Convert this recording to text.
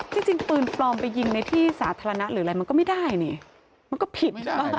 จริงปืนปลอมไปยิงในที่สาธารณะหรืออะไรมันก็ไม่ได้นี่มันก็ผิด